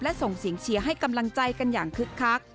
และส่งเสียงเชียร์ให้กำลังใจกันอย่างคึกคัก